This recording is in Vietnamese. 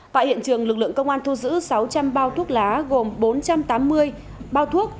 tại hiện trường lực lượng công an thu giữ sáu trăm linh bao thuốc lá gồm bốn trăm tám mươi bao thuốc